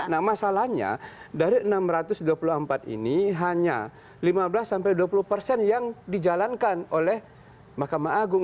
nah masalahnya dari enam ratus dua puluh empat ini hanya lima belas sampai dua puluh persen yang dijalankan oleh mahkamah agung